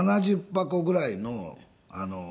７０箱ぐらいの。